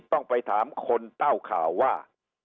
ต้องไปถามคนเต้าข่าวว่า